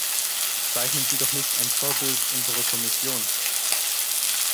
Zeichnen Sie doch nicht ein Zerrbild unserer Kommission.